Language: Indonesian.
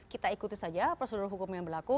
kita ikuti saja prosedur hukum yang berlaku